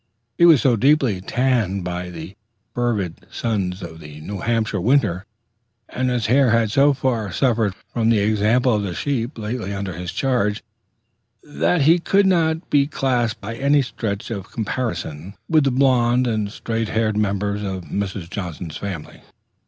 He was so deeply tanned by the fervid suns of the New Hampshire winter, and his hair had so far suffered from the example of the sheep lately under his charge, that he could not be classed by any stretch of comparison with the blonde and straight haired members of Mrs. Johnson's family.